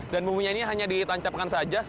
dan bumbunya ini hanya ditancapkan saja